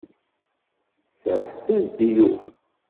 Serrḥet-as-d i Yuba.